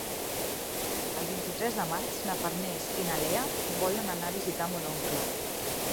El vint-i-tres de maig na Farners i na Lea volen anar a visitar mon oncle.